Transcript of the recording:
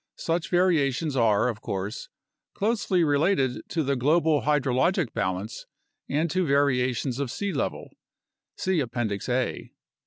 Such variations are, of course, closely related to the global hydrologic balance and to varia tions of sea level (see Appendix A)